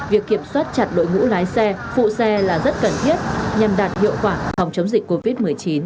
việc kiểm soát chặt đội ngũ lái xe phụ xe là rất cần thiết nhằm đạt hiệu quả phòng chống dịch covid một mươi chín